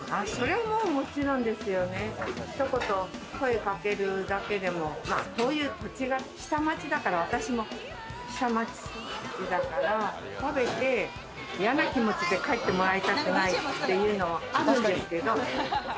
一言、声かけるだけでも、こういう土地が下町だから、私も下町育ちだから食べて嫌な気持ちで帰ってもらいたくないっていうの、あるんですけれども。